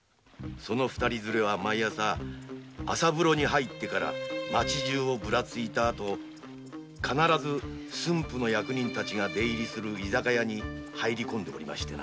その二人づれは毎朝朝ブロに入ってから町中をぶらついた後必ず駿府の役人たちが出入りする居酒屋に入り込んでおりました。